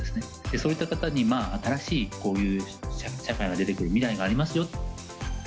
そういった方に、新しいこういう社会が出てくる未来がありますよ。